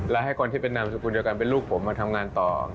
และให้คนที่เป็นนามสกุลเดียวกันเป็นลูกผมมาทำงานต่อ